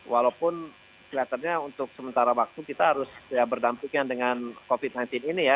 walaupun kelihatannya untuk sementara waktu kita harus berdampingan dengan covid sembilan belas ini ya